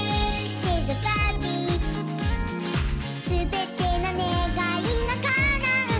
「すべてのねがいがかなうなら」